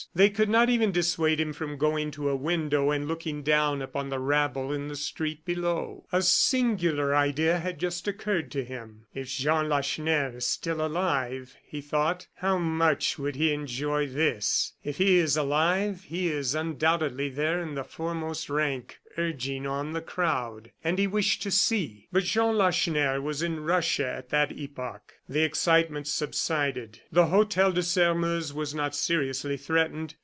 They could not even dissuade him from going to a window and looking down upon the rabble in the street below. A singular idea had just occurred to him. "If Jean Lacheneur is still alive," he thought, "how much he would enjoy this! And if he is alive, he is undoubtedly there in the foremost rank, urging on the crowd." And he wished to see. But Jean Lacheneur was in Russia at that epoch. The excitement subsided; the Hotel de Sairmeuse was not seriously threatened.